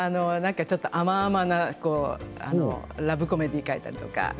ちょっと甘々なラブコメディー描いたりとか。